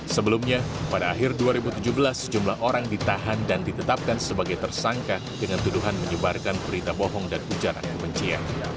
sebelumnya pada akhir dua ribu tujuh belas sejumlah orang ditahan dan ditetapkan sebagai tersangka dengan tuduhan menyebarkan berita bohong dan ujaran kebencian